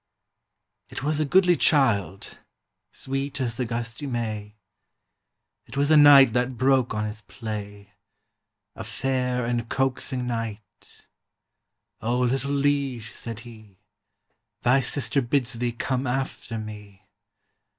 IT was a goodly child, Sweet as the gusty May; It was a knight that broke On his play, A fair and coaxing knight: "O little liege!" said he, "Thy sister bids thee come After me.